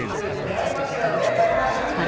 やりましたよね。